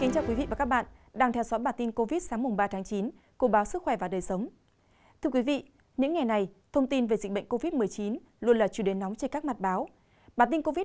các bạn hãy đăng ký kênh để ủng hộ kênh của chúng mình nhé